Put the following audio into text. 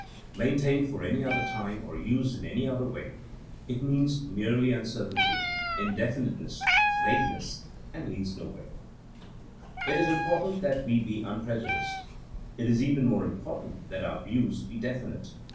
Maintained at aHy other time or used in any other way it means merely uncertainty, indefiniteness, vague ness, and leads nowhere. THINKINa AS A SCIENCE 123 It is important that we be unprejudiced. It is even more important that our views be defin ite.